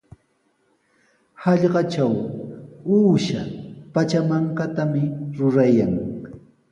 Hallqatraw uusha pachamankatami rurayan.